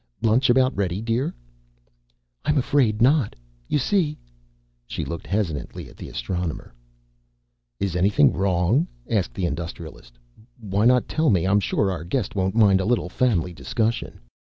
"Lunch about ready, dear." "I'm afraid not. You see " She looked hesitantly at the Astronomer. "Is anything wrong?" asked the Industrialist. "Why not tell me? I'm sure our guest won't mind a little family discussion."